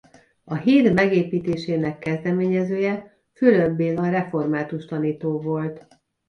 A híd megépítésének kezdeményezője Fülöp Béla református tanító volt.